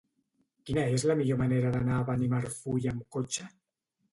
Quina és la millor manera d'anar a Benimarfull amb cotxe?